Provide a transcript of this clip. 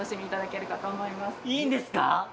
いいんですか？